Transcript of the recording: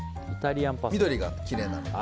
緑がきれいなので。